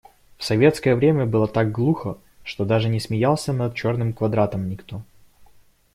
В советское время было так глухо, что даже не смеялся над «Черным квадратом» никто.